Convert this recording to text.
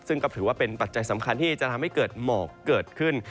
ซึ่งก็ถือว่าเป็นปัจจัยสำคัญที่จะทำให้เกิดหมอกเกิดขึ้น